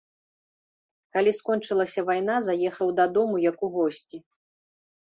Калі скончылася вайна, заехаў дадому, як у госці.